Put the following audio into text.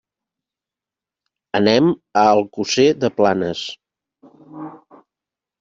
Anem a Alcosser de Planes.